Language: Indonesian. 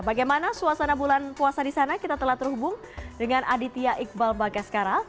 bagaimana suasana bulan puasa di sana kita telah terhubung dengan aditya iqbal bagaskara